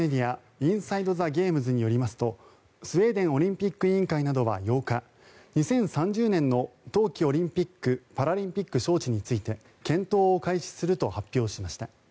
インサイド・ザ・ゲームズによりますとスウェーデンオリンピック委員会などは８日２０３０年の冬季オリンピック・パラリンピック招致について検討を開始すると発表しました。